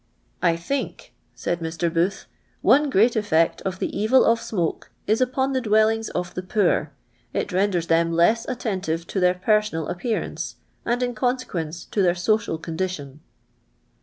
" I think,*' Kiiil Mr. Jionih, "one creat elV«*ct of the evil nf sm.ike is upon the dwellnigs of the poor ; it HMiders thini less attentive to their per sonal nppi'anince, and, in conseqnence, to their Micial cinidiii Mt."